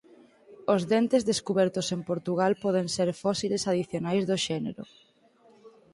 Os dentes descubertos en Portugal poden ser fósiles adicionais do xénero.